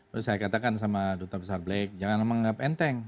terus saya katakan sama duta besar black jangan menganggap enteng